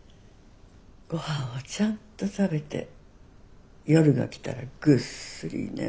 ごはんをちゃんと食べて夜が来たらぐっすり眠る。